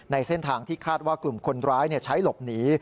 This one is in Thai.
ในเส้นทางที่คาดว่ากลุ่มคนร้ายใช้หลบหนี